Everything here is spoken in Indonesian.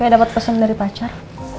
kayak dapet pesen dari pacar